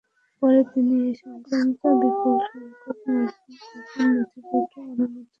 পরে তিনি এ-সংক্রান্ত বিপুলসংখ্যক মার্কিন গোপন নথিপত্র গণমাধ্যমের কাছে ফাঁস করেন।